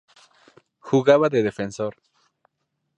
Jugaba de Defensor.